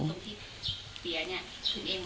ตรงที่เปียนเอง